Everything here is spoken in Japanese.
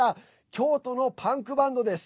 京都のパンクバンドです。